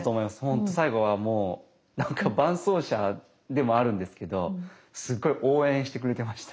本当最後はもう何か伴走者でもあるんですけどすごい応援してくれてました。